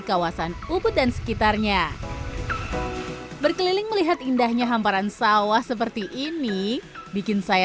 kawasan ubud dan sekitarnya berkeliling melihat indahnya hamparan sawah seperti ini bikin saya